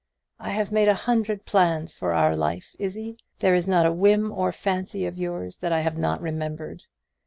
I have made a hundred plans for our life, Izzie. There is not a whim or fancy of yours that I have not remembered.